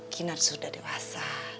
kinar sudah dewasa